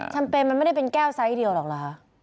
เปญมันไม่ได้เป็นแก้วไซส์เดียวหรอกเหรอคะ